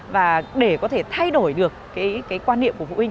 và để có thể thay đổi được cái quan niệm của phụ huynh